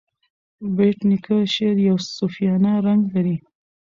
بېټ نیکه شعر یو صوفیانه رنګ لري.